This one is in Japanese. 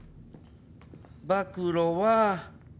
暴露は。